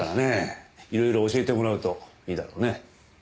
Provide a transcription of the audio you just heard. いろいろ教えてもらうといいだろうね。